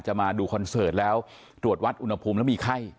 มาดูคอนเสิร์ตแล้วตรวจวัดอุณหภูมิแล้วมีไข้